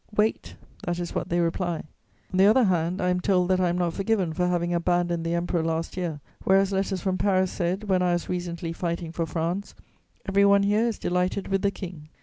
Wait: that is what they reply. On the other hand, I am told that I am not forgiven for having abandoned the Emperor last year, whereas letters from Paris said, when I was recently fighting for France, '_Every one here is delighted with the King.